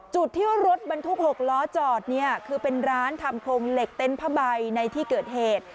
จุดที่รถบรรทุก๖ล้อจอดเนี่ยคือเป็นร้านทำโครงเหล็กเต็นต์ผ้าใบในที่เกิดเหตุ